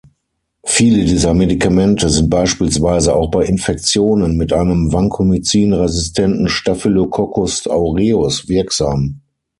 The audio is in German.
Viele dieser Medikamente sind beispielsweise auch bei Infektionen mit einem Vancomycin-resistenten "Staphylococcus aureus" wirksam.